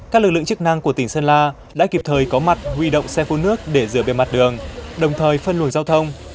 các lực lượng chức năng của tỉnh sơn la đã kịp thời có mặt huy động xe phun nước để rửa bề mặt đường đồng thời phân luồng giao thông